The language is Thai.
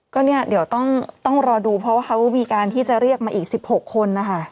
ก็เนี่ยเดี๋ยวต้องรอดูเพราะว่าเขามีการที่จะเรียกมาอีก๑๖คนนะคะ